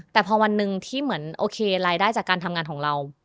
แต่พอวันหนึ่งที่เหมือนโอเครายได้จากการทำงานของเรา